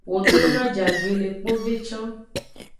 Wo do no ajagbe le kpove can.